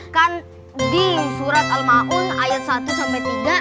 kan di surat al maun ayat satu sampai tiga